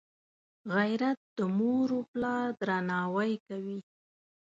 غیرت د موروپلار درناوی کوي